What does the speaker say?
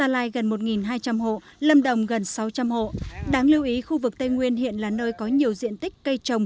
lâm đồng gần sáu trăm linh hộ đáng lưu ý khu vực tây nguyên hiện là nơi có nhiều diện tích cây trồng